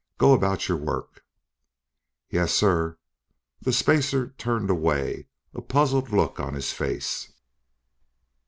Go about your work." "Yes, sir." The spacer turned away, a puzzled look on his face.